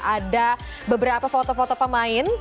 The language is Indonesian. ada beberapa foto foto pemain